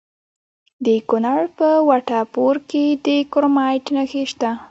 د کونړ په وټه پور کې د کرومایټ نښې شته.